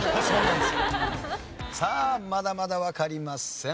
さあまだまだわかりません。